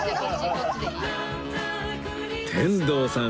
天童さん